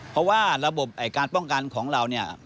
เพราะว่าระบบการป้องกันของเราเนี่ย